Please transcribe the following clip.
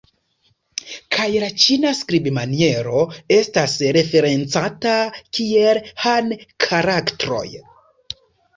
Kaj la Ĉina skribmaniero estas referencata kiel "Han karaktroj".